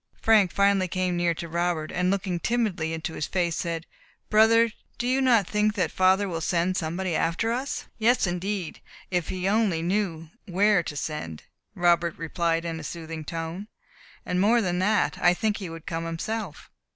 Frank finally came near to Robert, and looking timidly into his face, said, "Brother, do you not think that father will send somebody after us?" "Yes, indeed; if he only knew where to send," Robert replied in a soothing tone; "and more than that, I think he would come himself."